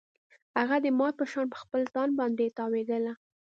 هغه د مار په شان په خپل ځان باندې تاوېدله.